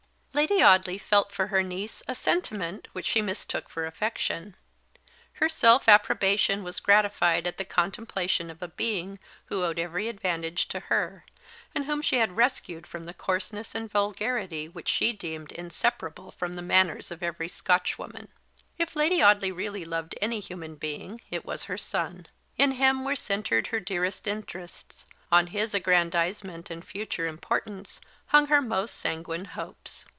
Lady Audley felt for her niece a sentiment which she mistook for affection; her self approbation was gratified at the contemplation of a being who owed every advantage to her, and whom she had rescued from the coarseness and vulgarity which she deemed inseparable from the manners of every Scotchwoman. If Lady Audley really loved any human being it was her son. In him were centred her dearest interests; on his aggrandisement and future importance hung her most sanguine hopes.